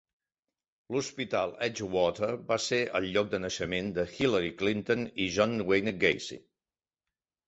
L'hospital Edgewater va ser el lloc de naixement de Hillary Clinton i John Wayne Gacy.